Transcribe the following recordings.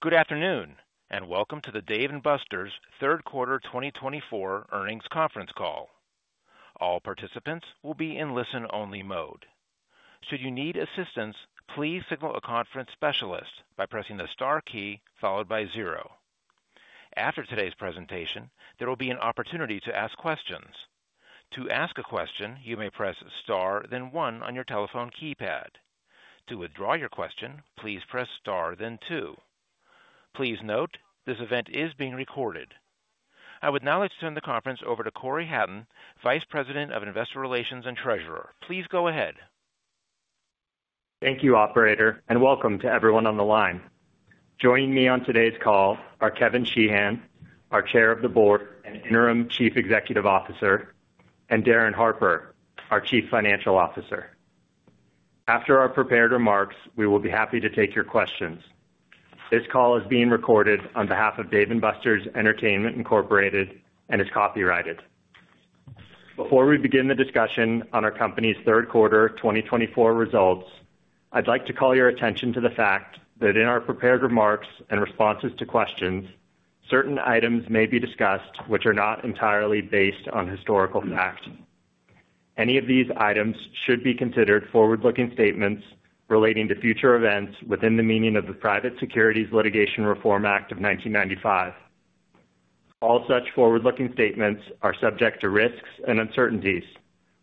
Good afternoon, and welcome to the Dave & Buster's Third Quarter 2024 Earnings Conference Call. All participants will be in listen-only mode. Should you need assistance, please signal a conference specialist by pressing the star key followed by zero. After today's presentation, there will be an opportunity to ask questions. To ask a question, you may press star, then one on your telephone keypad. To withdraw your question, please press star, then two. Please note, this event is being recorded. I would now like to turn the conference over to Cory Hatton, Vice President of Investor Relations and Treasurer. Please go ahead. Thank you, Operator, and welcome to everyone on the line. Joining me on today's call are Kevin Sheehan, our Chair of the Board and Interim Chief Executive Officer, and Darin Harper, our Chief Financial Officer. After our prepared remarks, we will be happy to take your questions. This call is being recorded on behalf of Dave & Buster's Entertainment Incorporated and is copyrighted. Before we begin the discussion on our company's Third Quarter 2024 results, I'd like to call your attention to the fact that in our prepared remarks and responses to questions, certain items may be discussed which are not entirely based on historical fact. Any of these items should be considered forward-looking statements relating to future events within the meaning of the Private Securities Litigation Reform Act of 1995. All such forward-looking statements are subject to risks and uncertainties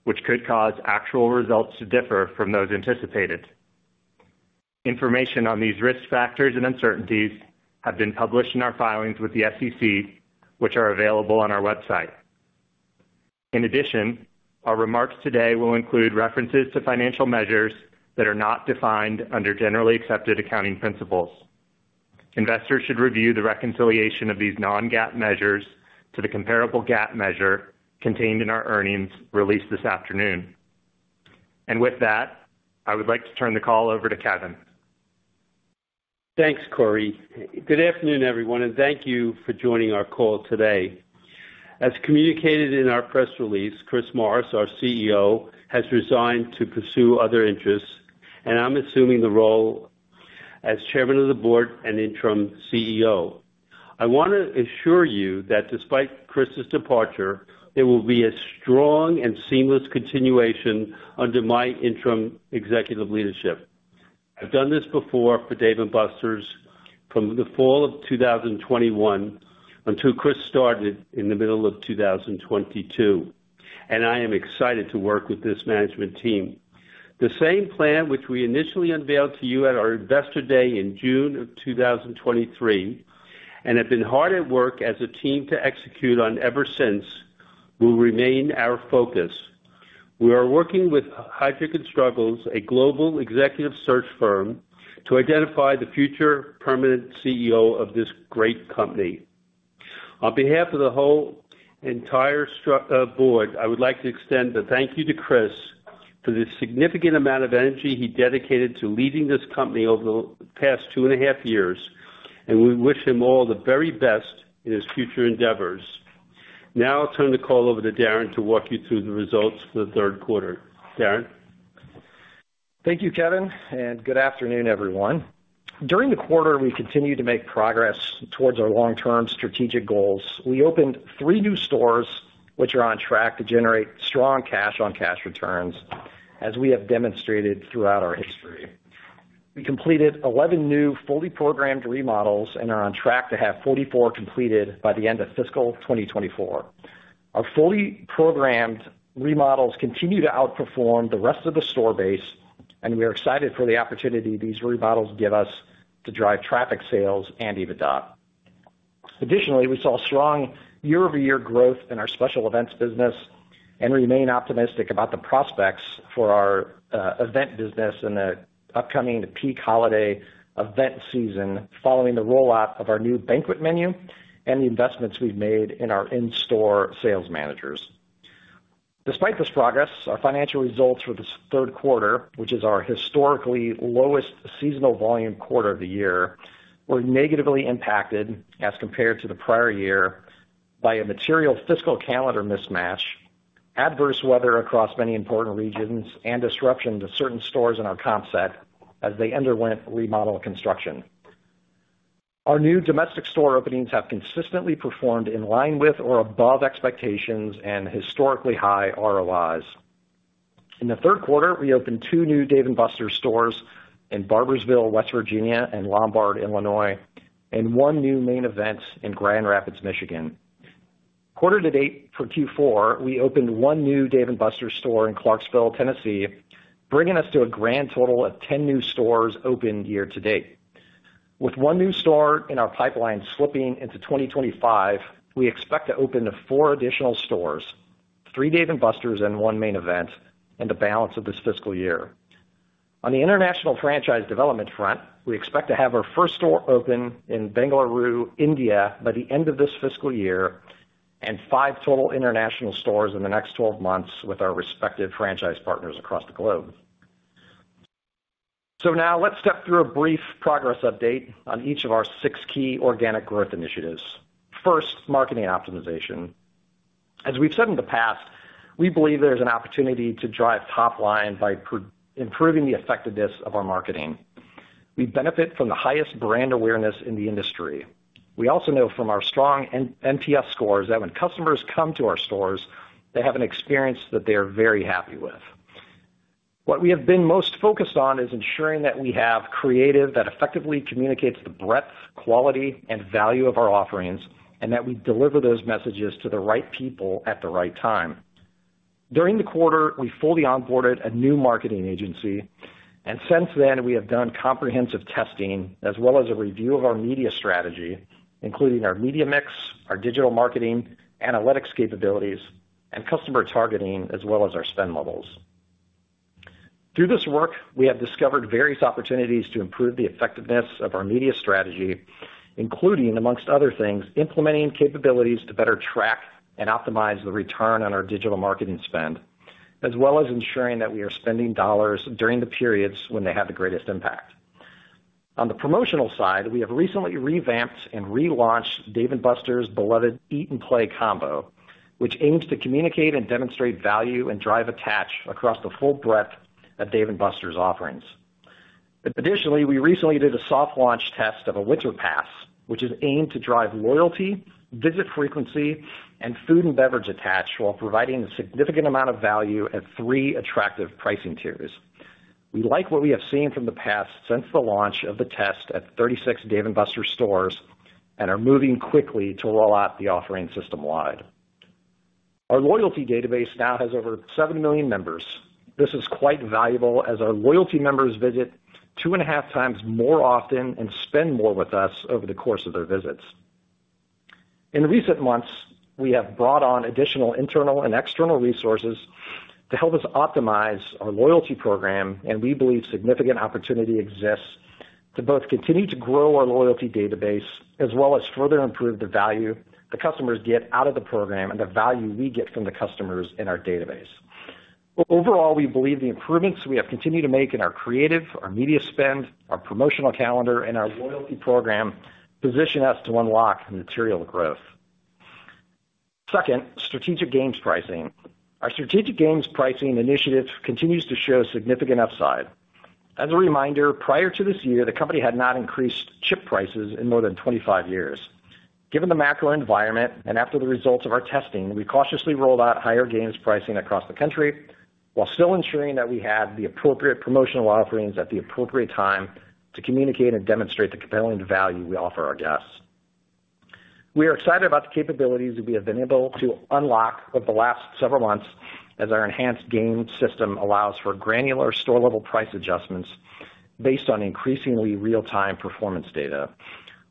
which could cause actual results to differ from those anticipated. Information on these risk factors and uncertainties have been published in our filings with the SEC, which are available on our website. In addition, our remarks today will include references to financial measures that are not defined under generally accepted accounting principles. Investors should review the reconciliation of these non-GAAP measures to the comparable GAAP measure contained in our earnings released this afternoon, and with that, I would like to turn the call over to Kevin. Thanks, Cory. Good afternoon, everyone, and thank you for joining our call today. As communicated in our press release, Chris Morris, our CEO, has resigned to pursue other interests, and I'm assuming the role as Chairman of the Board and Interim CEO. I want to assure you that despite Chris's departure, there will be a strong and seamless continuation under my interim executive leadership. I've done this before for Dave & Buster's from the fall of 2021 until Chris started in the middle of 2022, and I am excited to work with this management team. The same plan which we initially unveiled to you at our Investor Day in June of 2023 and have been hard at work as a team to execute on ever since will remain our focus. We are working with Heidrick & Struggles, a global executive search firm, to identify the future permanent CEO of this great company. On behalf of the whole entire Board, I would like to extend a thank you to Chris for the significant amount of energy he dedicated to leading this company over the past two and a half years, and we wish him all the very best in his future endeavors. Now I'll turn the call over to Darin to walk you through the results for the third quarter. Darin. Thank you, Kevin, and good afternoon, everyone. During the quarter, we continue to make progress towards our long-term strategic goals. We opened three new stores which are on track to generate strong cash-on-cash returns, as we have demonstrated throughout our history. We completed 11 new fully programmed remodels and are on track to have 44 completed by the end of fiscal 2024. Our fully programmed remodels continue to outperform the rest of the store base, and we are excited for the opportunity these remodels give us to drive traffic, sales, and EBITDA. Additionally, we saw strong year-over-year growth in our special events business and remain optimistic about the prospects for our event business in the upcoming peak holiday event season following the rollout of our new banquet menu and the investments we've made in our in-store sales managers. Despite this progress, our financial results for this third quarter, which is our historically lowest seasonal volume quarter of the year, were negatively impacted as compared to the prior year by a material fiscal calendar mismatch, adverse weather across many important regions, and disruption to certain stores in our comp set as they underwent remodel construction. Our new domestic store openings have consistently performed in line with or above expectations and historically high ROIs. In the third quarter, we opened two new Dave & Buster's stores in Barboursville, West Virginia, and Lombard, Illinois, and one new Main Event in Grand Rapids, Michigan. Quarter to date for Q4, we opened one new Dave & Buster's store in Clarksville, Tennessee, bringing us to a grand total of 10 new stores opened year to date. With one new store in our pipeline slipping into 2025, we expect to open four additional stores, three Dave & Buster's and one Main Event, in the balance of this fiscal year. On the international franchise development front, we expect to have our first store open in Bengaluru, India, by the end of this fiscal year and five total international stores in the next 12 months with our respective franchise partners across the globe. So now let's step through a brief progress update on each of our six key organic growth initiatives. First, marketing optimization. As we've said in the past, we believe there's an opportunity to drive top line by improving the effectiveness of our marketing. We benefit from the highest brand awareness in the industry. We also know from our strong NPS scores that when customers come to our stores, they have an experience that they are very happy with. What we have been most focused on is ensuring that we have creative that effectively communicates the breadth, quality, and value of our offerings and that we deliver those messages to the right people at the right time. During the quarter, we fully onboarded a new marketing agency, and since then, we have done comprehensive testing as well as a review of our media strategy, including our media mix, our digital marketing, analytics capabilities, and customer targeting as well as our spend levels. Through this work, we have discovered various opportunities to improve the effectiveness of our media strategy, including, among other things, implementing capabilities to better track and optimize the return on our digital marketing spend, as well as ensuring that we are spending dollars during the periods when they have the greatest impact. On the promotional side, we have recently revamped and relaunched Dave & Buster's beloved Eat & Play Combo, which aims to communicate and demonstrate value and drive attach across the full breadth of Dave & Buster's offerings. Additionally, we recently did a soft launch test of a Winter Pass, which is aimed to drive loyalty, visit frequency, and food and beverage attach while providing a significant amount of value at three attractive pricing tiers. We like what we have seen from the test since the launch of the test at 36 Dave & Buster's stores and are moving quickly to roll out the offering system wide. Our loyalty database now has over seven million members. This is quite valuable as our loyalty members visit two and a half times more often and spend more with us over the course of their visits. In recent months, we have brought on additional internal and external resources to help us optimize our loyalty program, and we believe significant opportunity exists to both continue to grow our loyalty database as well as further improve the value the customers get out of the program and the value we get from the customers in our database. Overall, we believe the improvements we have continued to make in our creative, our media spend, our promotional calendar, and our loyalty program position us to unlock material growth. Second, strategic games pricing. Our strategic games pricing initiative continues to show significant upside. As a reminder, prior to this year, the company had not increased chip prices in more than 25 years. Given the macro environment and after the results of our testing, we cautiously rolled out higher games pricing across the country while still ensuring that we had the appropriate promotional offerings at the appropriate time to communicate and demonstrate the compelling value we offer our guests. We are excited about the capabilities that we have been able to unlock over the last several months as our enhanced game system allows for granular store-level price adjustments based on increasingly real-time performance data.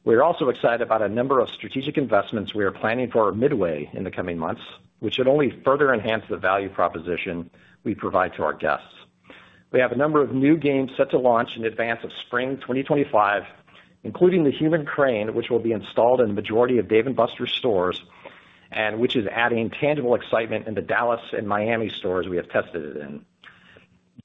We are also excited about a number of strategic investments we are planning for midway in the coming months, which should only further enhance the value proposition we provide to our guests. We have a number of new games set to launch in advance of spring 2025, including the Human Crane, which will be installed in the majority of Dave & Buster's stores and which is adding tangible excitement in the Dallas and Miami stores we have tested it in.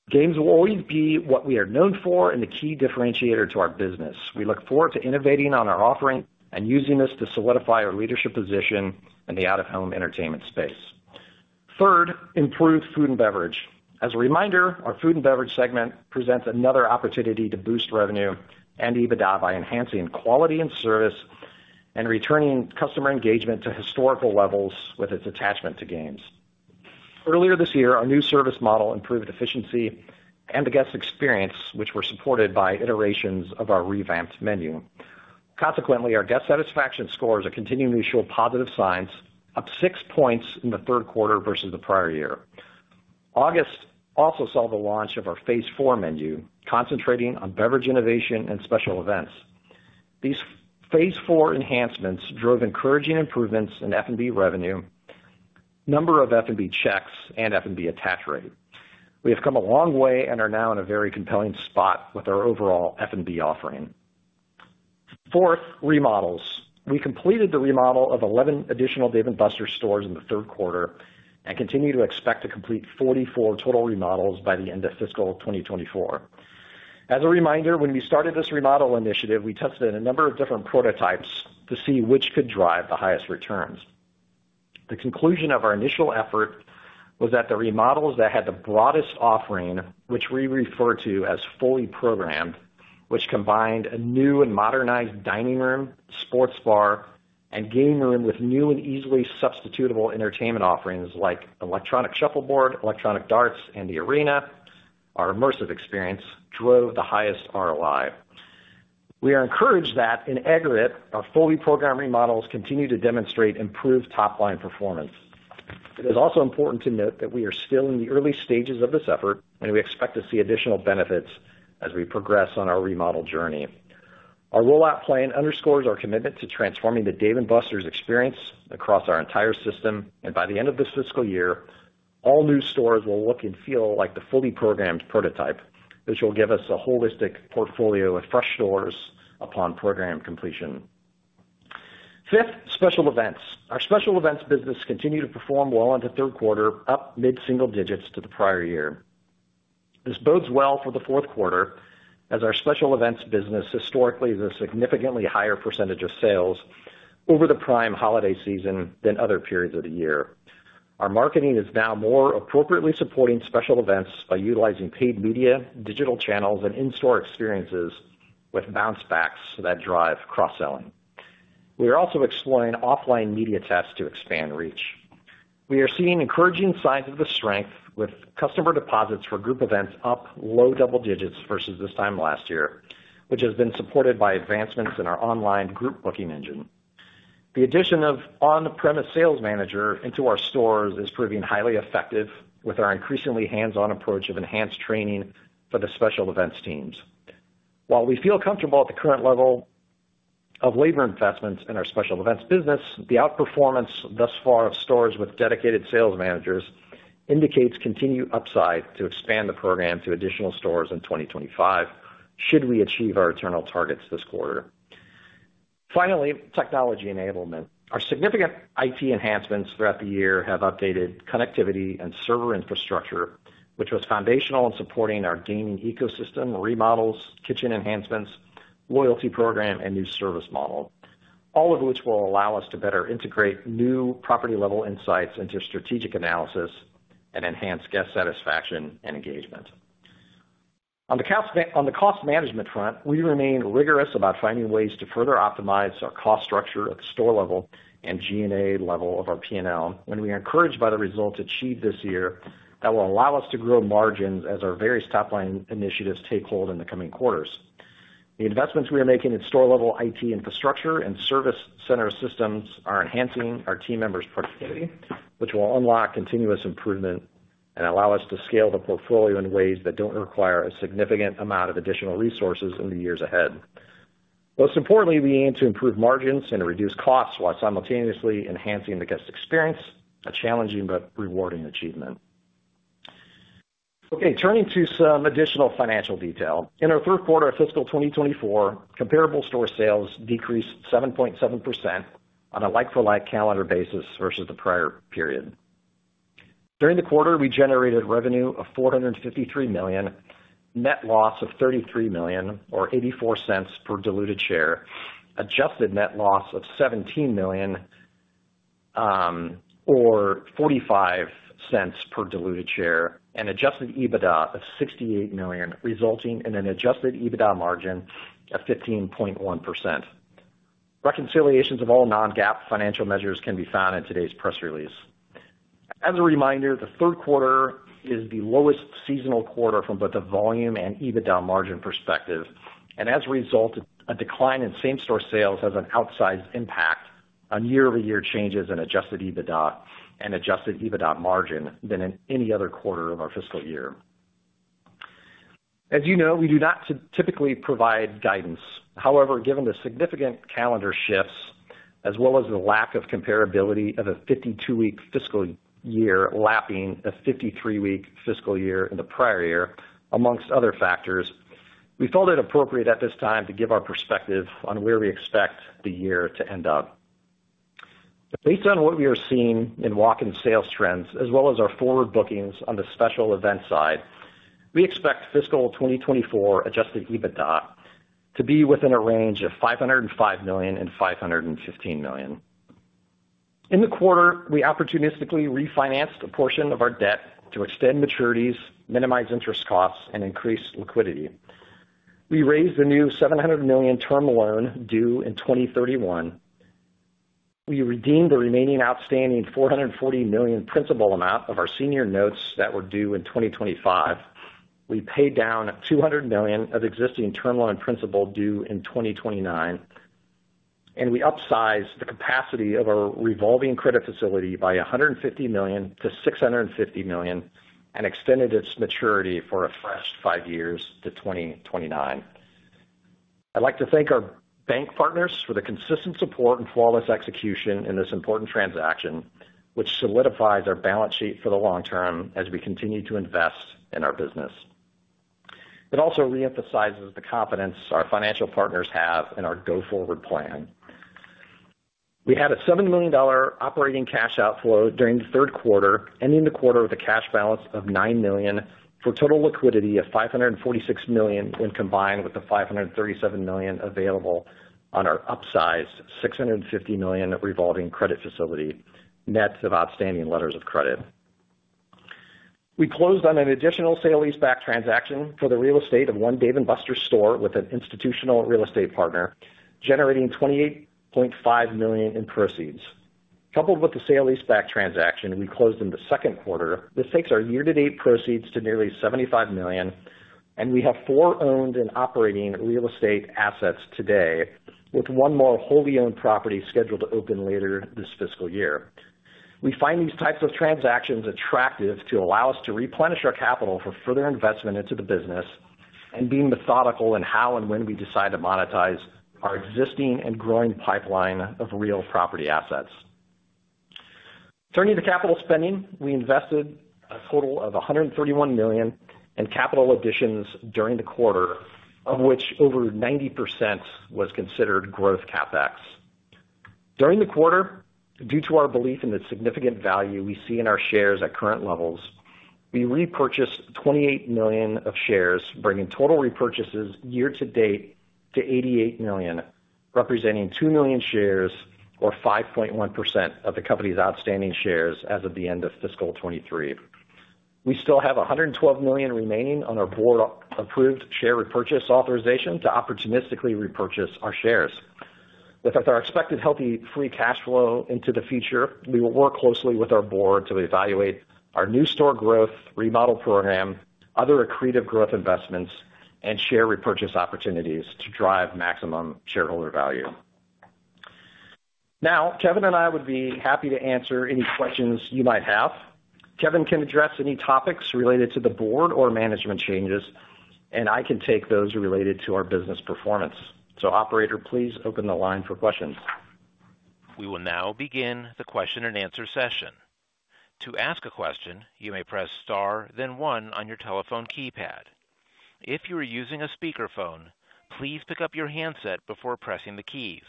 Games will always be what we are known for and the key differentiator to our business. We look forward to innovating on our offering and using this to solidify our leadership position in the out-of-home entertainment space. Third, improved food and beverage. As a reminder, our food and beverage segment presents another opportunity to boost revenue and EBITDA by enhancing quality and service and returning customer engagement to historical levels with its attachment to games. Earlier this year, our new service model improved efficiency and the guest experience, which were supported by iterations of our revamped menu. Consequently, our guest satisfaction scores are continuing to show positive signs, up six points in the third quarter versus the prior year. August also saw the launch of our Phase Four Menu, concentrating on beverage innovation and special events. These Phase Four enhancements drove encouraging improvements in F&B revenue, number of F&B checks, and F&B attach rate. We have come a long way and are now in a very compelling spot with our overall F&B offering. Fourth, remodels. We completed the remodel of 11 additional Dave & Buster's stores in the third quarter and continue to expect to complete 44 total remodels by the end of fiscal 2024. As a reminder, when we started this remodel initiative, we tested a number of different prototypes to see which could drive the highest returns. The conclusion of our initial effort was that the remodels that had the broadest offering, which we refer to as fully programmed, which combined a new and modernized dining room, sports bar, and game room with new and easily substitutable entertainment offerings like electronic shuffleboard, electronic darts, and the Arena, our immersive experience drove the highest ROI. We are encouraged that in aggregate, our fully programmed remodels continue to demonstrate improved top-line performance. It is also important to note that we are still in the early stages of this effort, and we expect to see additional benefits as we progress on our remodel journey. Our rollout plan underscores our commitment to transforming the Dave & Buster's experience across our entire system, and by the end of this fiscal year, all new stores will look and feel like the fully programmed prototype, which will give us a holistic portfolio of fresh stores upon program completion. Fifth, special events. Our special events business continued to perform well into third quarter, up mid-single digits to the prior year. This bodes well for the fourth quarter as our special events business historically is a significantly higher percentage of sales over the prime holiday season than other periods of the year. Our marketing is now more appropriately supporting special events by utilizing paid media, digital channels, and in-store experiences with bounce backs that drive cross-selling. We are also exploring offline media tests to expand reach. We are seeing encouraging signs of the strength with customer deposits for group events up low double digits versus this time last year, which has been supported by advancements in our online group booking engine. The addition of on-premise sales manager into our stores is proving highly effective with our increasingly hands-on approach of enhanced training for the special events teams. While we feel comfortable at the current level of labor investments in our special events business, the outperformance thus far of stores with dedicated sales managers indicates continued upside to expand the program to additional stores in 2025 should we achieve our internal targets this quarter. Finally, technology enablement. Our significant IT enhancements throughout the year have updated connectivity and server infrastructure, which was foundational in supporting our gaming ecosystem, remodels, kitchen enhancements, loyalty program, and new service model, all of which will allow us to better integrate new property-level insights into strategic analysis and enhance guest satisfaction and engagement. On the cost management front, we remain rigorous about finding ways to further optimize our cost structure at the store level and G&A level of our P&L, and we are encouraged by the results achieved this year that will allow us to grow margins as our various top-line initiatives take hold in the coming quarters. The investments we are making in store-level IT infrastructure and service center systems are enhancing our team members' productivity, which will unlock continuous improvement and allow us to scale the portfolio in ways that don't require a significant amount of additional resources in the years ahead. Most importantly, we aim to improve margins and reduce costs while simultaneously enhancing the guest experience, a challenging but rewarding achievement. Okay, turning to some additional financial detail. In our third quarter of fiscal 2024, comparable store sales decreased 7.7% on a like-for-like calendar basis versus the prior period. During the quarter, we generated revenue of $453 million, net loss of $33 million, or $0.84 per diluted share, adjusted net loss of $17 million, or $0.45 per diluted share, and Adjusted EBITDA of $68 million, resulting in an Adjusted EBITDA margin of 15.1%. Reconciliations of all non-GAAP financial measures can be found in today's press release. As a reminder, the third quarter is the lowest seasonal quarter from both a volume and EBITDA margin perspective, and as a result, a decline in same-store sales has an outsized impact on year-over-year changes in Adjusted EBITDA and Adjusted EBITDA margin than in any other quarter of our fiscal year. As you know, we do not typically provide guidance. However, given the significant calendar shifts, as well as the lack of comparability of a 52-week fiscal year lapping a 53-week fiscal year in the prior year, among other factors, we felt it appropriate at this time to give our perspective on where we expect the year to end up. Based on what we are seeing in walk-in sales trends, as well as our forward bookings on the special event side, we expect fiscal 2024 Adjusted EBITDA to be within a range of $505-$515 million. In the quarter, we opportunistically refinanced a portion of our debt to extend maturities, minimize interest costs, and increase liquidity. We raised a new $700 million term loan due in 2031. We redeemed the remaining outstanding $440 million principal amount of our senior notes that were due in 2025. We paid down $200 million of existing term loan principal due in 2029, and we upsized the capacity of our revolving credit facility by $150 million to $650 million and extended its maturity for a fresh five years to 2029. I'd like to thank our bank partners for the consistent support and flawless execution in this important transaction, which solidifies our balance sheet for the long term as we continue to invest in our business. It also reemphasizes the confidence our financial partners have in our go-forward plan. We had a $7 million operating cash outflow during the third quarter, ending the quarter with a cash balance of $9 million for total liquidity of $546 million when combined with the $537 million available on our upsized $650 million revolving credit facility net of outstanding letters of credit. We closed on an additional sale-leaseback transaction for the real estate of one Dave & Buster's store with an institutional real estate partner, generating $28.5 million in proceeds. Coupled with the sale-leaseback transaction, we closed in the second quarter. This takes our year-to-date proceeds to nearly $75 million, and we have four owned and operating real estate assets today, with one more wholly owned property scheduled to open later this fiscal year. We find these types of transactions attractive to allow us to replenish our capital for further investment into the business and being methodical in how and when we decide to monetize our existing and growing pipeline of real property assets. Turning to capital spending, we invested a total of $131 million in capital additions during the quarter, of which over 90% was considered Growth CapEx. During the quarter, due to our belief in the significant value we see in our shares at current levels, we repurchased $28 million of shares, bringing total repurchases year-to-date to $88 million, representing 2 million shares, or 5.1% of the company's outstanding shares as of the end of fiscal 2023. We still have $112 million remaining on our board-approved share repurchase authorization to opportunistically repurchase our shares. With our expected healthy free cash flow into the future, we will work closely with our board to evaluate our new store growth remodel program, other accretive growth investments, and share repurchase opportunities to drive maximum shareholder value. Now, Kevin and I would be happy to answer any questions you might have. Kevin can address any topics related to the board or management changes, and I can take those related to our business performance. So, Operator, please open the line for questions. We will now begin the question and answer session. To ask a question, you may press star, then one on your telephone keypad. If you are using a speakerphone, please pick up your handset before pressing the keys.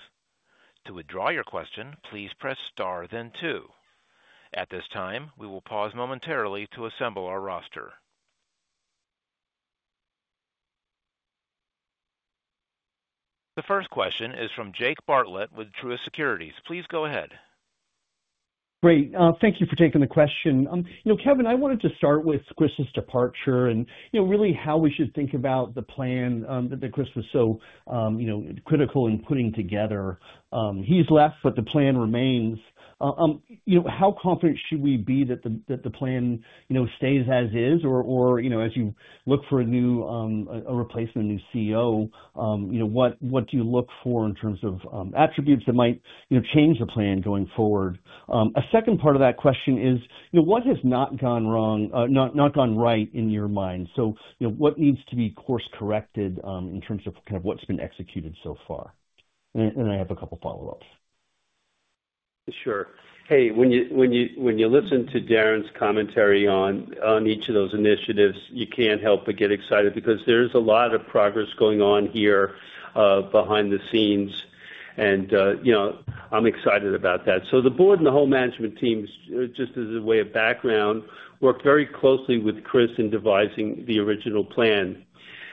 To withdraw your question, please press star, then two. At this time, we will pause momentarily to assemble our roster. The first question is from Jake Bartlett with Truist Securities. Please go ahead. Great. Thank you for taking the question. Kevin, I wanted to start with Chris's departure and really how we should think about the plan that Chris was so critical in putting together. He's left, but the plan remains. How confident should we be that the plan stays as is, or as you look for a new replacement, a new CEO? What do you look for in terms of attributes that might change the plan going forward? A second part of that question is, what has not gone wrong, not gone right in your mind? So, what needs to be course-corrected in terms of kind of what's been executed so far? And I have a couple of follow-ups. Sure. Hey, when you listen to Darin's commentary on each of those initiatives, you can't help but get excited because there is a lot of progress going on here behind the scenes, and I'm excited about that, so the board and the whole management team, just as a way of background, worked very closely with Chris in devising the original plan,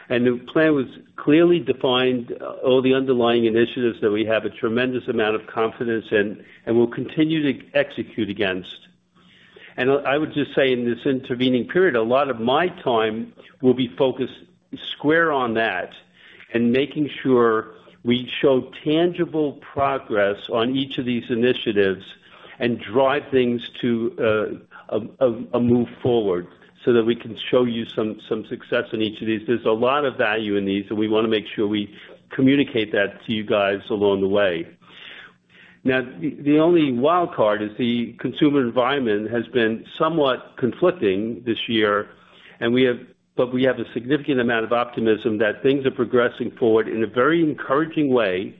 and the plan was clearly defined, all the underlying initiatives that we have a tremendous amount of confidence in and will continue to execute against, and I would just say in this intervening period, a lot of my time will be focused square on that and making sure we show tangible progress on each of these initiatives and drive things to a move forward so that we can show you some success in each of these. There's a lot of value in these, and we want to make sure we communicate that to you guys along the way. Now, the only wild card is the consumer environment has been somewhat conflicting this year, but we have a significant amount of optimism that things are progressing forward in a very encouraging way.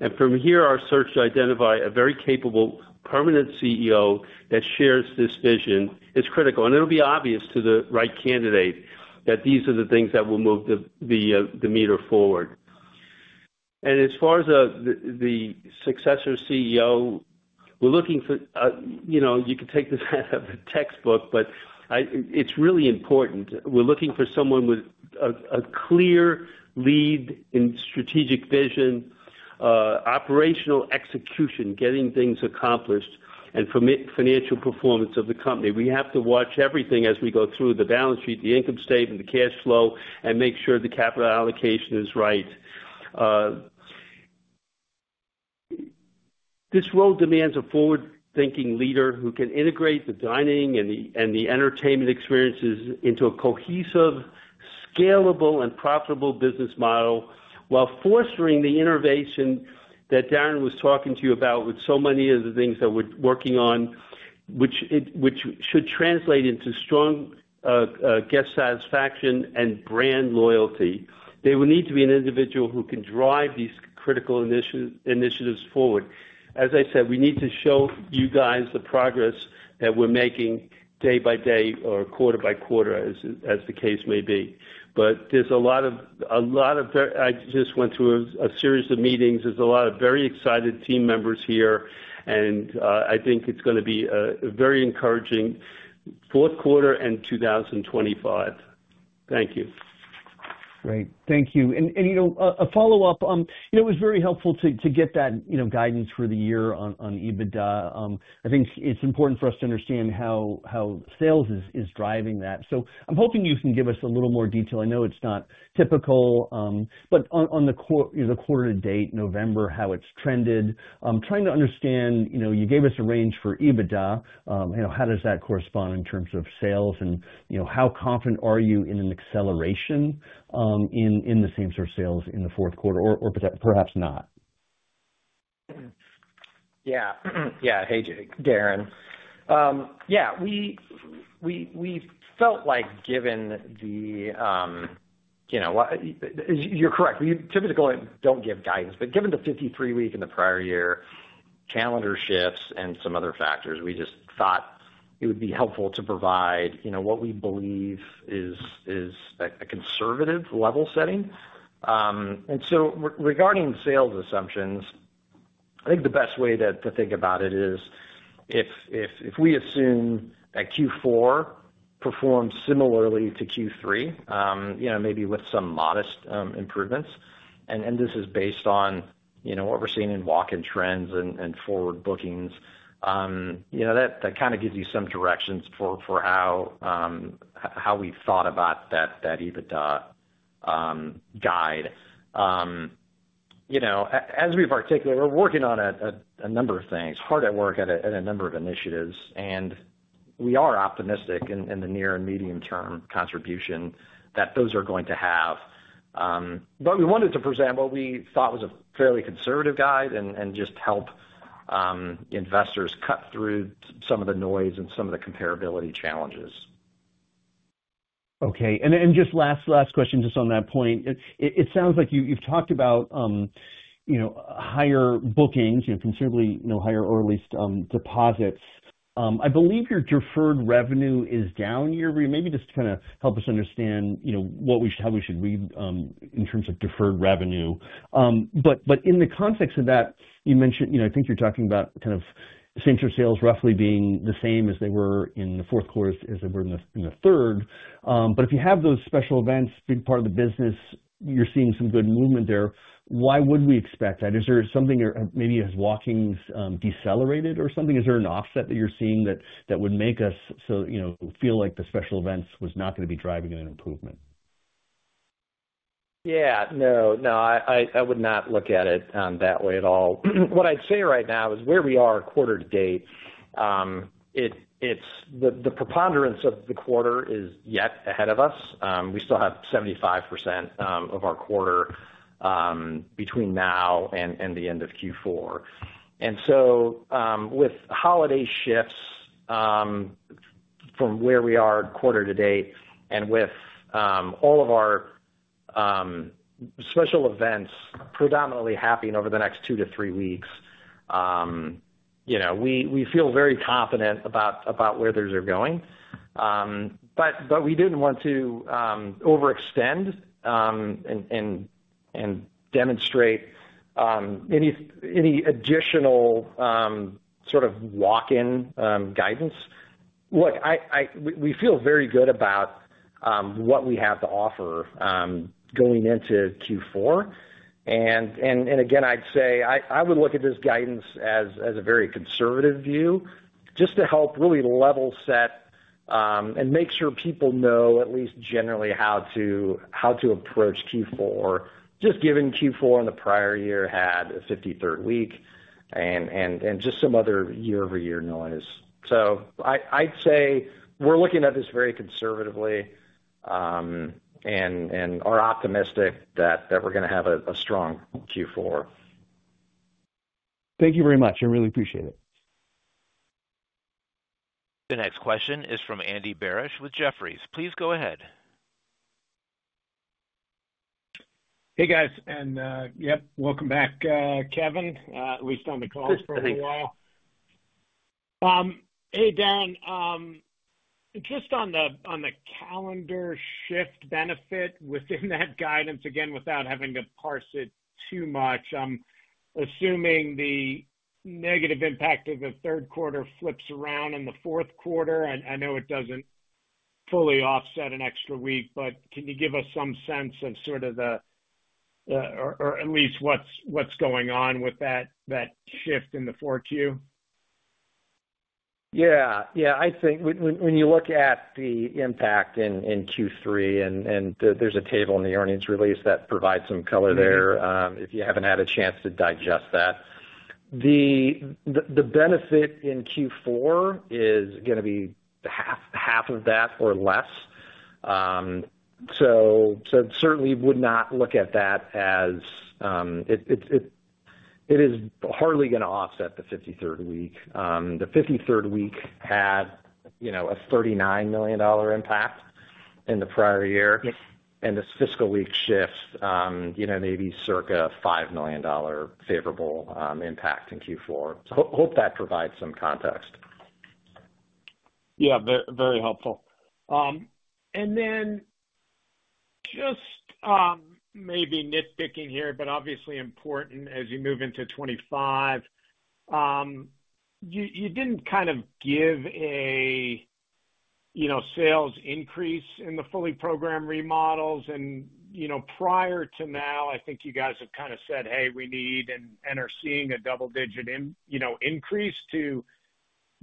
And from here, our search to identify a very capable permanent CEO that shares this vision is critical. And it'll be obvious to the right candidate that these are the things that will move the meter forward. And as far as the successor CEO, we're looking for, you could take this out of the textbook, but it's really important. We're looking for someone with a clear lead in strategic vision, operational execution, getting things accomplished, and financial performance of the company. We have to watch everything as we go through the balance sheet, the income statement, the cash flow, and make sure the capital allocation is right. This role demands a forward-thinking leader who can integrate the dining and the entertainment experiences into a cohesive, scalable, and profitable business model while fostering the innovation that Darin was talking to you about with so many of the things that we're working on, which should translate into strong guest satisfaction and brand loyalty. They will need to be an individual who can drive these critical initiatives forward. As I said, we need to show you guys the progress that we're making day by day or quarter by quarter, as the case may be. But there's a lot of, I just went through a series of meetings. There's a lot of very excited team members here, and I think it's going to be a very encouraging fourth quarter in 2025. Thank you. Great. Thank you. And a follow-up, it was very helpful to get that guidance for the year on EBITDA. I think it's important for us to understand how sales is driving that. So, I'm hoping you can give us a little more detail. I know it's not typical, but on the quarter-to-date, November, how it's trended, trying to understand, you gave us a range for EBITDA. How does that correspond in terms of sales? And how confident are you in an acceleration in the same sort of sales in the fourth quarter, or perhaps not? Yeah. Yeah. Hey, Jake, Darin. Yeah. We felt like given the, you're correct. We typically don't give guidance. But given the 53-week in the prior year, calendar shifts, and some other factors, we just thought it would be helpful to provide what we believe is a conservative level setting. And so, regarding sales assumptions, I think the best way to think about it is if we assume that Q4 performs similarly to Q3, maybe with some modest improvements, and this is based on what we're seeing in walk-in trends and forward bookings. That kind of gives you some directions for how we thought about that EBITDA guide. As we've articulated, we're working on a number of things, hard at work at a number of initiatives, and we are optimistic in the near and medium-term contribution that those are going to have. But we wanted to present what we thought was a fairly conservative guide and just help investors cut through some of the noise and some of the comparability challenges. Okay. And just last question, just on that point. It sounds like you've talked about higher bookings, considerably higher or at least deposits. I believe your deferred revenue is down. Maybe just to kind of help us understand how we should read in terms of deferred revenue. But in the context of that, you mentioned, I think you're talking about kind of same-store sales roughly being the same as they were in the fourth quarter as they were in the third. But if you have those special events being part of the business, you're seeing some good movement there. Why would we expect that? Is there something maybe has walk-ins decelerated or something? Is there an offset that you're seeing that would make us feel like the special events was not going to be driving an improvement? Yeah. No. No. I would not look at it that way at all. What I'd say right now is where we are quarter-to-date, the preponderance of the quarter is yet ahead of us. We still have 75% of our quarter between now and the end of Q4. And so, with holiday shifts from where we are quarter-to-date and with all of our special events predominantly happening over the next two to three weeks, we feel very confident about where those are going. But we didn't want to overextend and demonstrate any additional sort of walk-in guidance. Look, we feel very good about what we have to offer going into Q4. And again, I'd say I would look at this guidance as a very conservative view just to help really level set and make sure people know at least generally how to approach Q4, just given Q4 in the prior year had a 53rd week and just some other year-over-year noise. So, I'd say we're looking at this very conservatively and are optimistic that we're going to have a strong Q4. Thank you very much. I really appreciate it. The next question is from Andy Barish with Jefferies. Please go ahead. Hey, guys. And yep, welcome back, Kevin. We've done the call for a while. Hey, Darin. Just on the calendar shift benefit within that guidance, again, without having to parse it too much, I'm assuming the negative impact of the third quarter flips around in the fourth quarter. I know it doesn't fully offset an extra week, but can you give us some sense of sort of the, or at least what's going on with that shift in the Q4? Yeah. Yeah. I think when you look at the impact in Q3, and there's a table in the earnings release that provides some color there if you haven't had a chance to digest that. The benefit in Q4 is going to be half of that or less. So, certainly would not look at that as it is hardly going to offset the 53rd week. The 53rd week had a $39 million impact in the prior year. And this fiscal week shift maybe circa $5 million favorable impact in Q4. So, hope that provides some context. Yeah. Very helpful. And then just maybe nitpicking here, but obviously important as you move into 2025, you didn't kind of give a sales increase in the fully programmed remodels. And prior to now, I think you guys have kind of said, "Hey, we need and are seeing a double-digit increase to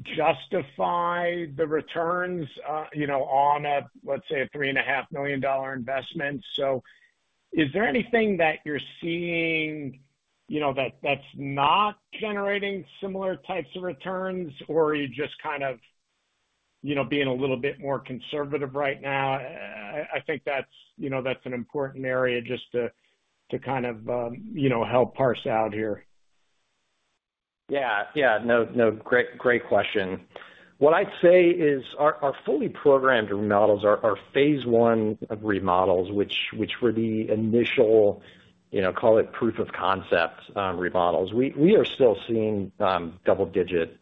justify the returns on a, let's say, a $3.5 million investment." So, is there anything that you're seeing that's not generating similar types of returns, or are you just kind of being a little bit more conservative right now? I think that's an important area just to kind of help parse out here. Yeah. Yeah. No. Great question. What I'd say is our fully programmed remodels are phase one of remodels, which were the initial, call it proof of concept remodels. We are still seeing double-digit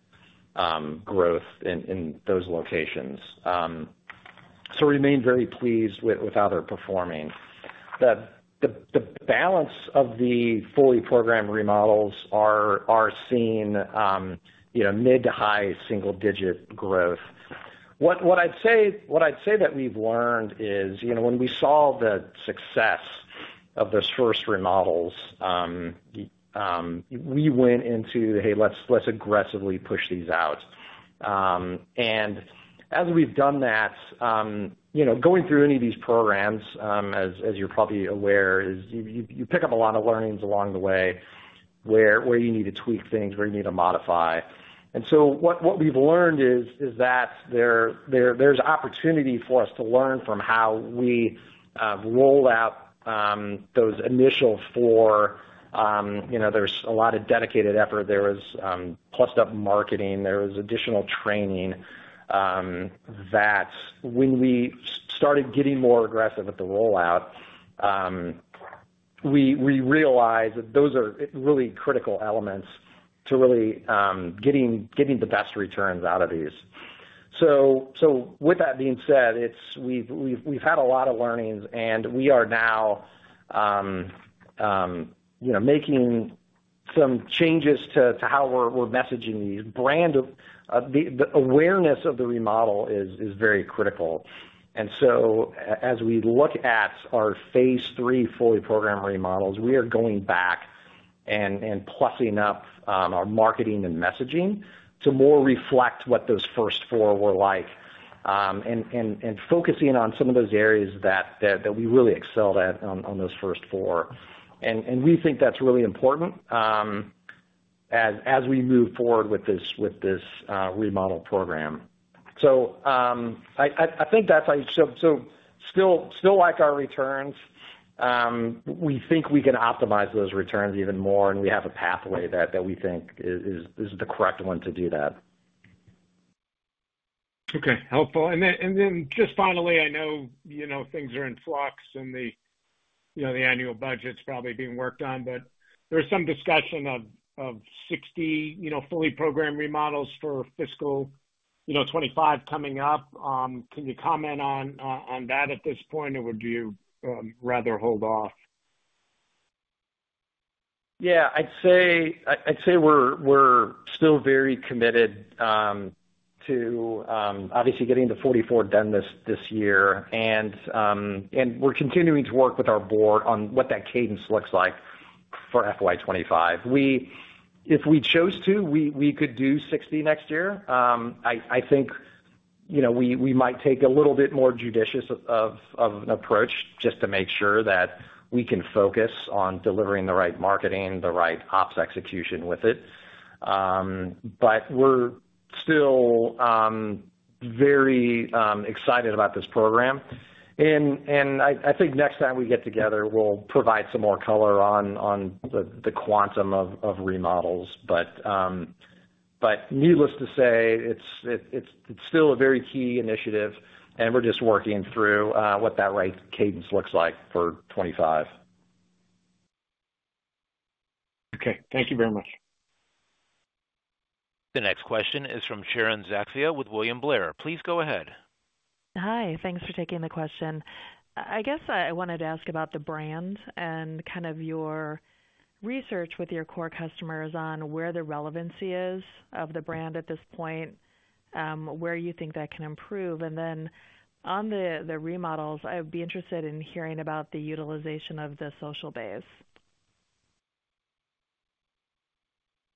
growth in those locations. So, we remain very pleased with how they're performing. The balance of the fully programmed remodels are seeing mid- to high single-digit growth. What I'd say that we've learned is when we saw the success of those first remodels, we went into, "Hey, let's aggressively push these out." And as we've done that, going through any of these programs, as you're probably aware, you pick up a lot of learnings along the way where you need to tweak things, where you need to modify. And so, what we've learned is that there's opportunity for us to learn from how we roll out those initial four. There's a lot of dedicated effort. There was plus-up marketing. There was additional training. That when we started getting more aggressive at the rollout, we realized that those are really critical elements to really getting the best returns out of these. So, with that being said, we've had a lot of learnings, and we are now making some changes to how we're messaging the branding and the awareness of the remodel, which is very critical. And so, as we look at our phase three fully programmed remodels, we are going back and plussing up our marketing and messaging to more reflect what those first four were like and focusing on some of those areas that we really excelled at on those first four. And we think that's really important as we move forward with this remodel program. So, I think that's why you still like our returns. We think we can optimize those returns even more, and we have a pathway that we think is the correct one to do that. Okay. Helpful. And then, just finally, I know things are in flux, and the annual budget's probably being worked on, but there's some discussion of 60 fully programmed remodels for fiscal 2025 coming up. Can you comment on that at this point, or would you rather hold off? Yeah. I'd say we're still very committed to obviously getting the 44 done this year, and we're continuing to work with our board on what that cadence looks like for FY 2025. If we chose to, we could do 60 next year. I think we might take a little bit more judicious of an approach just to make sure that we can focus on delivering the right marketing, the right ops execution with it. But we're still very excited about this program. And I think next time we get together, we'll provide some more color on the quantum of remodels. But needless to say, it's still a very key initiative, and we're just working through what that right cadence looks like for 2025. Okay. Thank you very much. The next question is from Sharon Zackfia with William Blair. Please go ahead. Hi. Thanks for taking the question. I guess I wanted to ask about the brand and kind of your research with your core customers on where the relevancy is of the brand at this point, where you think that can improve. And then on the remodels, I would be interested in hearing about the utilization of the social bays.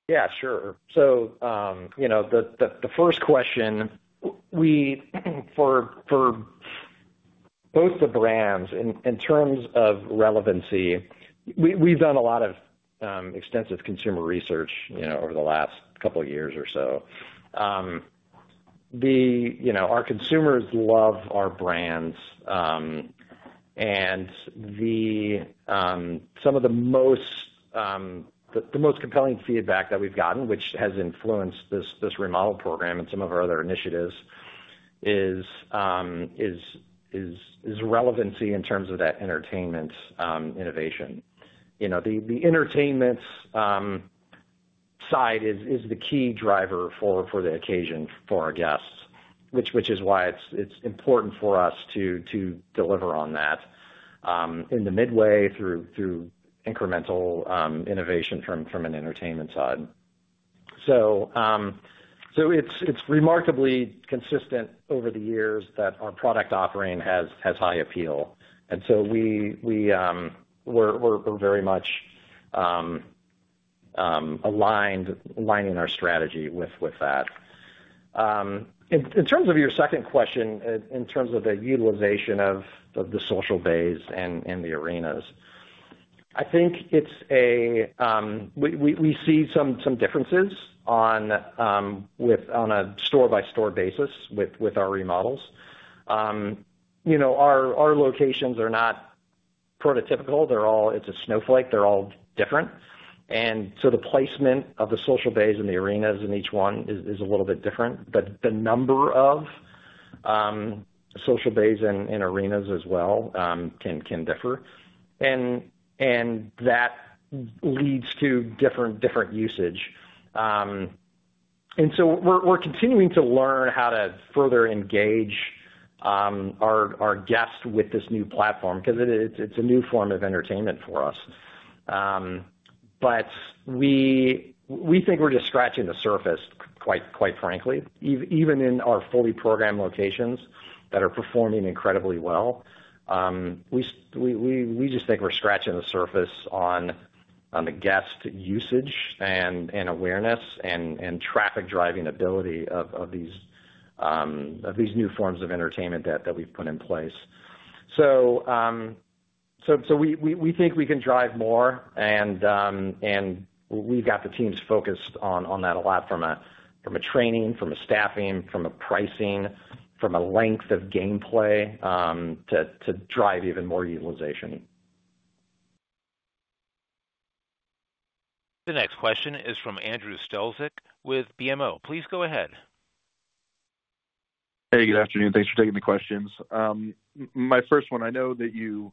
Yeah. Sure. So, the first question, for both the brands in terms of relevancy, we've done a lot of extensive consumer research over the last couple of years or so. Our consumers love our brands. And some of the most compelling feedback that we've gotten, which has influenced this remodel program and some of our other initiatives, is relevancy in terms of that entertainment innovation. The entertainment side is the key driver for the occasion for our guests, which is why it's important for us to deliver on that in the midway through incremental innovation from an entertainment side. So, it's remarkably consistent over the years that our product offering has high appeal. And so, we're very much aligned in our strategy with that. In terms of your second question, in terms of the utilization of the Social Bays and the arenas, I think we see some differences on a store-by-store basis with our remodels. Our locations are not prototypical. It's a snowflake. They're all different. And so, the placement of the Social Bays and the arenas in each one is a little bit different. But the number of Social Bays and arenas as well can differ. And that leads to different usage. And so, we're continuing to learn how to further engage our guests with this new platform because it's a new form of entertainment for us. But we think we're just scratching the surface, quite frankly, even in our fully programmed locations that are performing incredibly well. We just think we're scratching the surface on the guest usage and awareness and traffic driving ability of these new forms of entertainment that we've put in place. So, we think we can drive more, and we've got the teams focused on that a lot from a training, from a staffing, from a pricing, from a length of gameplay to drive even more utilization. The next question is from Andrew Strelzik with BMO. Please go ahead. Hey, good afternoon. Thanks for taking the questions. My first one, I know that you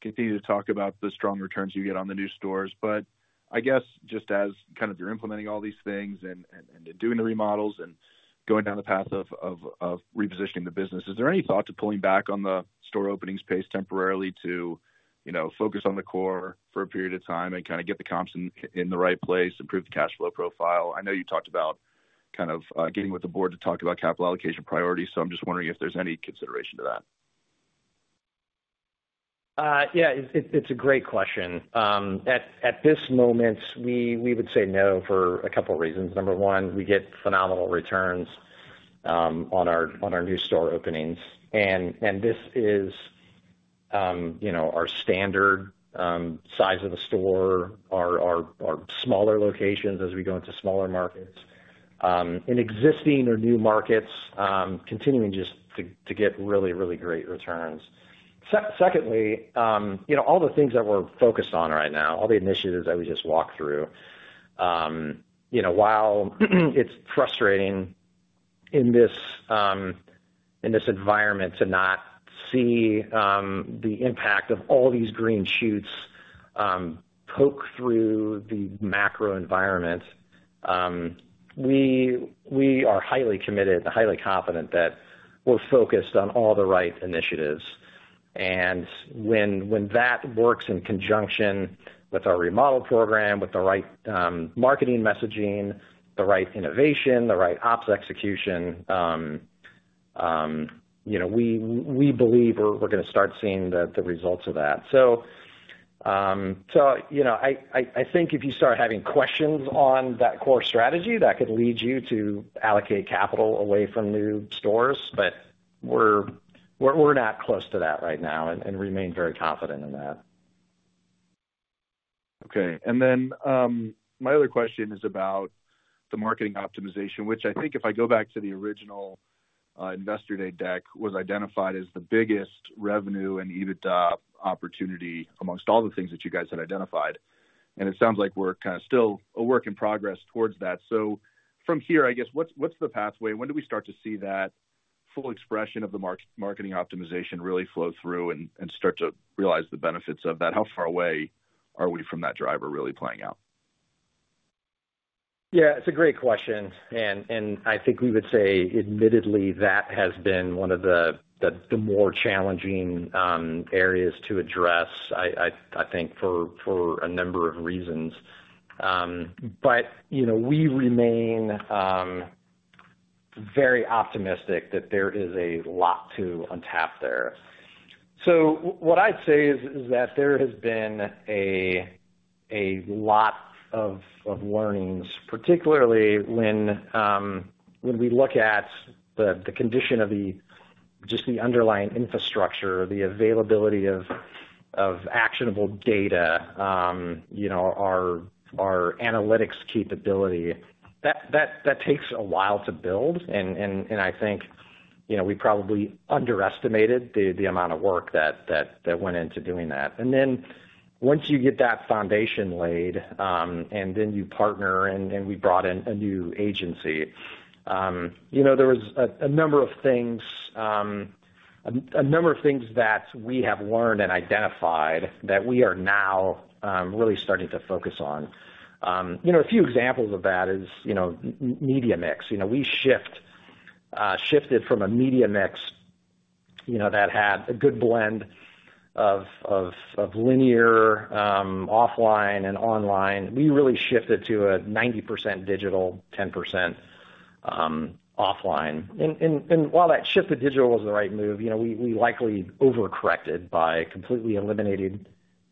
continue to talk about the strong returns you get on the new stores. But I guess just as kind of you're implementing all these things and doing the remodels and going down the path of repositioning the business, is there any thought to pulling back on the store openings pace temporarily to focus on the core for a period of time and kind of get the comps in the right place, improve the cash flow profile? I know you talked about kind of getting with the board to talk about capital allocation priorities. So, I'm just wondering if there's any consideration to that. Yeah. It's a great question. At this moment, we would say no for a couple of reasons. Number one, we get phenomenal returns on our new store openings. This is our standard size of the store, our smaller locations as we go into smaller markets. In existing or new markets, continuing just to get really, really great returns. Secondly, all the things that we're focused on right now, all the initiatives that we just walked through, while it's frustrating in this environment to not see the impact of all these green shoots poke through the macro environment, we are highly committed, highly confident that we're focused on all the right initiatives. When that works in conjunction with our remodel program, with the right marketing messaging, the right innovation, the right ops execution, we believe we're going to start seeing the results of that. I think if you start having questions on that core strategy, that could lead you to allocate capital away from new stores. But we're not close to that right now and remain very confident in that. Okay. And then my other question is about the marketing optimization, which I think if I go back to the original investor day deck, was identified as the biggest revenue and EBITDA opportunity amongst all the things that you guys had identified. And it sounds like we're kind of still a work in progress towards that. So, from here, I guess, what's the pathway? When do we start to see that full expression of the marketing optimization really flow through and start to realize the benefits of that? How far away are we from that driver really playing out? Yeah. It's a great question. And I think we would say admittedly that has been one of the more challenging areas to address, I think, for a number of reasons. We remain very optimistic that there is a lot to untap there. What I'd say is that there has been a lot of learnings, particularly when we look at the condition of just the underlying infrastructure, the availability of actionable data, our analytics capability. That takes a while to build. I think we probably underestimated the amount of work that went into doing that. Once you get that foundation laid, and then you partner, and we brought in a new agency, there was a number of things, a number of things that we have learned and identified that we are now really starting to focus on. A few examples of that is media mix. We shifted from a media mix that had a good blend of linear, offline, and online. We really shifted to a 90% digital, 10% offline. While that shift to digital was the right move, we likely overcorrected by completely eliminating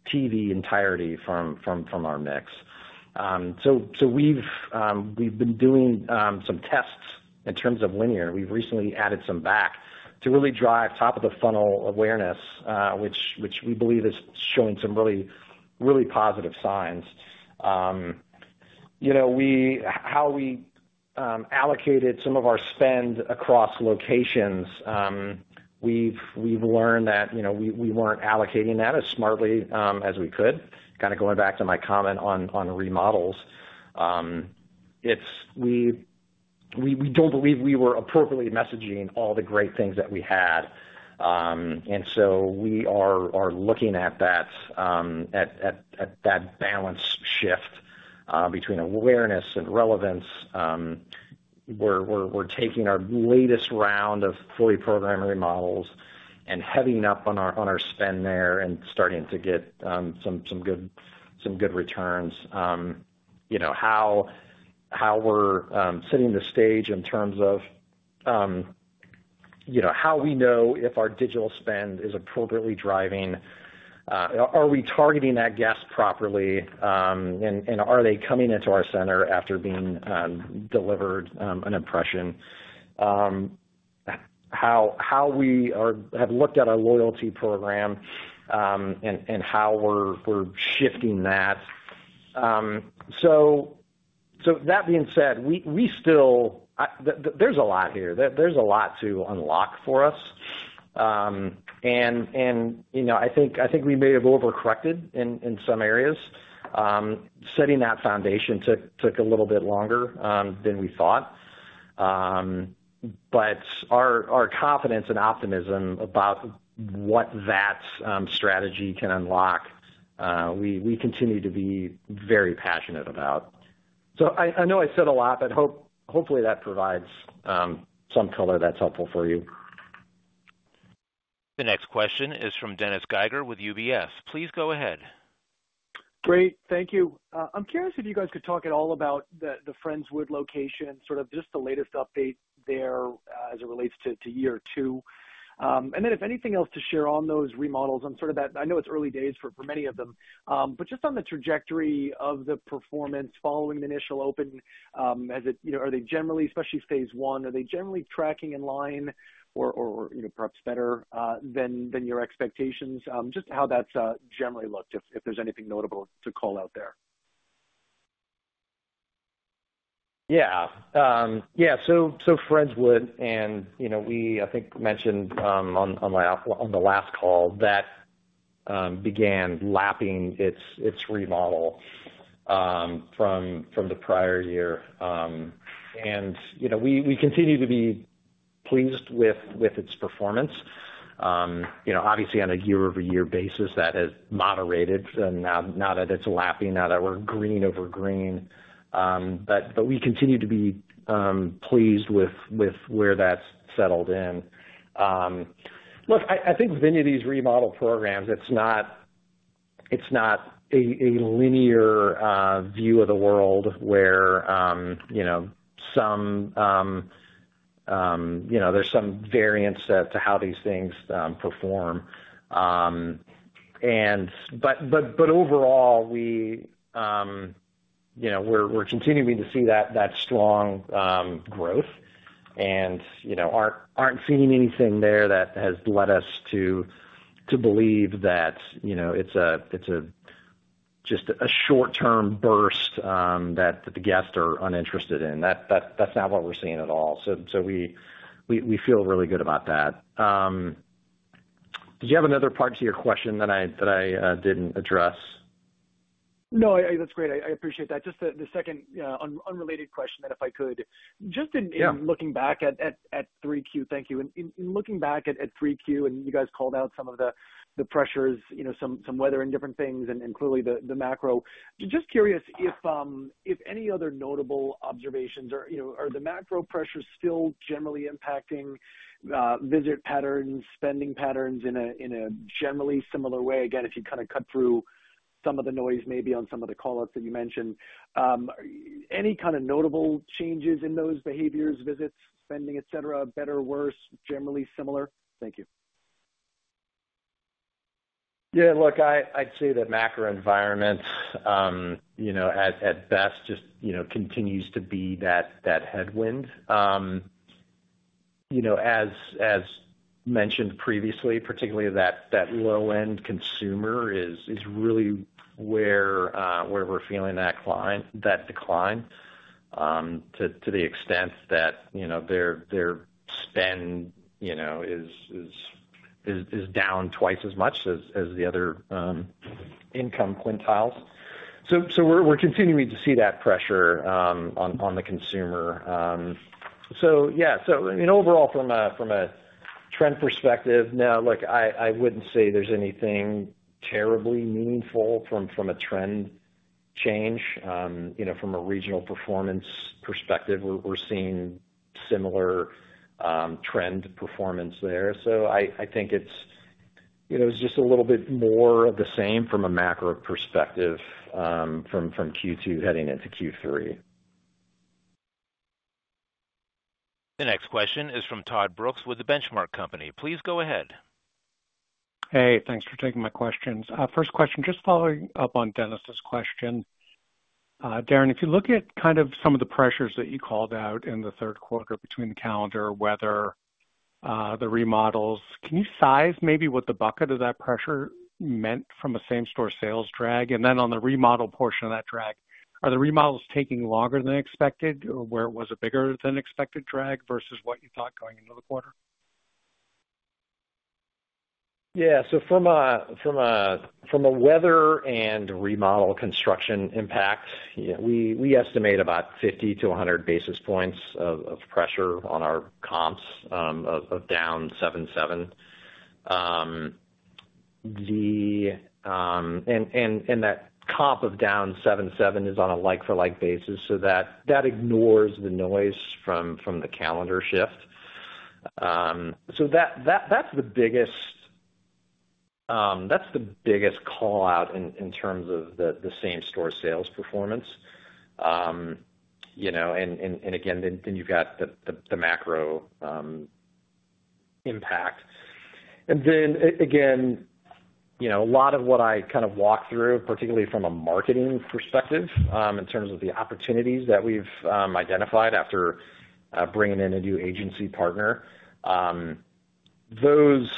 TV entirely from our mix. So, we've been doing some tests in terms of linear. We've recently added some back to really drive top-of-the-funnel awareness, which we believe is showing some really positive signs. How we allocated some of our spend across locations, we've learned that we weren't allocating that as smartly as we could. Kind of going back to my comment on remodels, we don't believe we were appropriately messaging all the great things that we had. And so, we are looking at that balance shift between awareness and relevance. We're taking our latest round of fully programmed remodels and beefing up on our spend there and starting to get some good returns. How we're setting the stage in terms of how we know if our digital spend is appropriately driving. Are we targeting that guest properly, and are they coming into our center after being delivered an impression? How we have looked at our loyalty program and how we're shifting that. So, that being said, there's a lot here. There's a lot to unlock for us, and I think we may have overcorrected in some areas. Setting that foundation took a little bit longer than we thought. But our confidence and optimism about what that strategy can unlock, we continue to be very passionate about. So, I know I said a lot, but hopefully that provides some color that's helpful for you. The next question is from Dennis Geiger with UBS. Please go ahead. Great. Thank you. I'm curious if you guys could talk at all about the Friendswood location, sort of just the latest update there as it relates to year two. And then if anything else to share on those remodels, I'm sort of at—I know it's early days for many of them. But just on the trajectory of the performance following the initial open, are they generally, especially phase one, are they generally tracking in line or perhaps better than your expectations? Just how that's generally looked, if there's anything notable to call out there. Yeah. Yeah. So, Friendswood, and we, I think, mentioned on the last call that began lapping its remodel from the prior year. And we continue to be pleased with its performance. Obviously, on a year-over-year basis, that has moderated, not at its lapping, not at we're green over green. But we continue to be pleased with where that's settled in. Look, I think with any of these remodel programs, it's not a linear view of the world where there's some variance to how these things perform, but overall, we're continuing to see that strong growth and aren't seeing anything there that has led us to believe that it's just a short-term burst that the guests are uninterested in. That's not what we're seeing at all, so we feel really good about that. Did you have another part to your question that I didn't address? No, that's great. I appreciate that. Just the second unrelated question that if I could. In looking back at 3Q, and you guys called out some of the pressures, some weather and different things, and clearly the macro. Just curious if any other notable observations are the macro pressures still generally impacting visit patterns, spending patterns in a generally similar way? Again, if you kind of cut through some of the noise maybe on some of the callouts that you mentioned. Any kind of notable changes in those behaviors, visits, spending, etc., better, worse, generally similar? Thank you. Yeah. Look, I'd say the macro environment at best just continues to be that headwind. As mentioned previously, particularly that low-end consumer is really where we're feeling that decline, to the extent that their spend is down twice as much as the other income quintiles. So, we're continuing to see that pressure on the consumer. So, yeah. So, I mean, overall, from a trend perspective, no. Look, I wouldn't say there's anything terribly meaningful from a trend change. From a regional performance perspective, we're seeing similar trend performance there. So, I think it's just a little bit more of the same from a macro perspective from Q2 heading into Q3. The next question is from Todd Brooks with The Benchmark Company. Please go ahead. Hey, thanks for taking my questions. First question, just following up on Dennis's question. Darin, if you look at kind of some of the pressures that you called out in the third quarter between the calendar, weather, the remodels, can you size maybe what the bucket of that pressure meant from a same-store sales drag? And then on the remodel portion of that drag, are the remodels taking longer than expected or was it a bigger-than-expected drag versus what you thought going into the quarter? Yeah. So, from a weather and remodel construction impact, we estimate about 50-100 basis points of pressure on our comps of down 7.7%. And that comp of down 7.7% is on a like-for-like basis. So, that ignores the noise from the calendar shift. So, that's the biggest callout in terms of the same-store sales performance. And again, then you've got the macro impact. And then again, a lot of what I kind of walked through, particularly from a marketing perspective in terms of the opportunities that we've identified after bringing in a new agency partner, those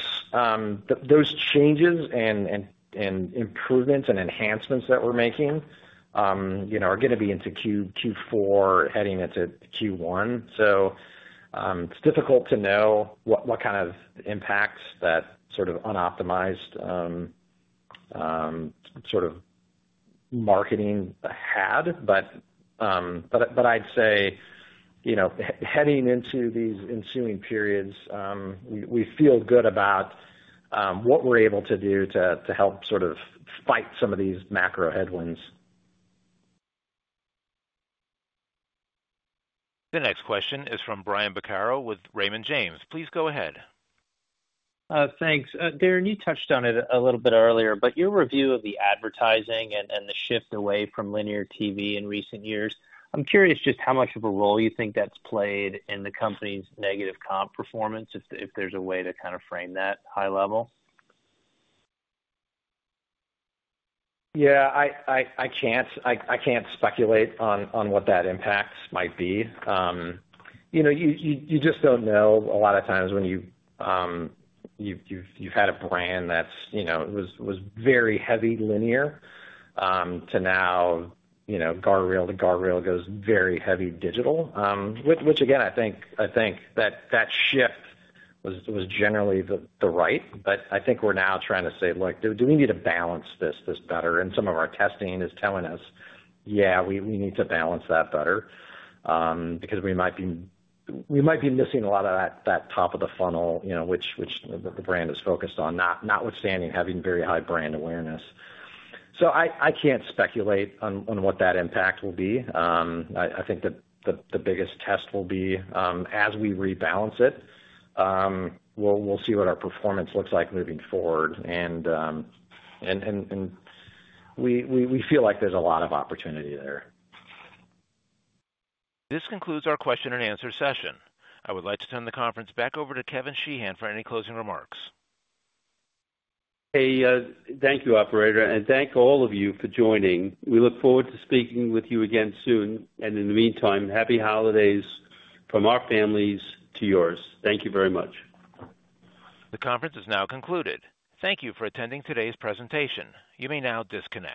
changes and improvements and enhancements that we're making are going to be into Q4 heading into Q1. So, it's difficult to know what kind of impacts that sort of unoptimized sort of marketing had. But I'd say heading into these ensuing periods, we feel good about what we're able to do to help sort of fight some of these macro headwinds. The next question is from Brian Vaccaro with Raymond James. Please go ahead. Thanks. Darin, you touched on it a little bit earlier, but your review of the advertising and the shift away from linear TV in recent years. I'm curious just how much of a role you think that's played in the company's negative comp performance, if there's a way to kind of frame that high level. Yeah. I can't speculate on what that impact might be. You just don't know a lot of times when you've had a brand that was very heavy linear to now, general to general goes very heavy digital. Which, again, I think that shift was generally the right. But I think we're now trying to say, "Look, do we need to balance this better?" And some of our testing is telling us, "Yeah, we need to balance that better because we might be missing a lot of that top-of-the-funnel, which the brand is focused on, notwithstanding having very high brand awareness." So, I can't speculate on what that impact will be. I think that the biggest test will be as we rebalance it, we'll see what our performance looks like moving forward. And we feel like there's a lot of opportunity there. This concludes our question-and-answer session. I would like to turn the conference back over to Kevin Sheehan for any closing remarks. Hey, thank you, operator. And thank all of you for joining. We look forward to speaking with you again soon. And in the meantime, happy holidays from our families to yours. Thank you very much. The conference is now concluded. Thank you for attending today's presentation. You may now disconnect.